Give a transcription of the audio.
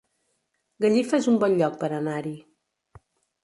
Gallifa es un bon lloc per anar-hi